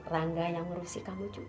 rangga yang ngurusin kamu juga